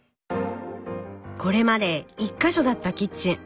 これまで１か所だったキッチン。